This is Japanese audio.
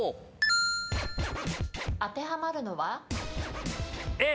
当てはまるのは？